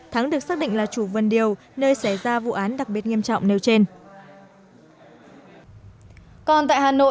thắng được xác định là chủ vườn điều nơi xảy ra vụ án đặc biệt nghiêm trọng nêu trên